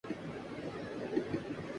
ان میں سے زیادہ تر